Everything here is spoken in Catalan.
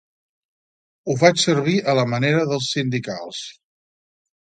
Ho faig servir a la manera dels sindicals.